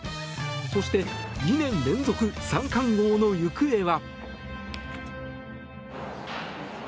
そして２年連続三冠王の行方は。